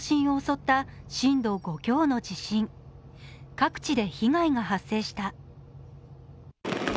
各地で被害が発生した。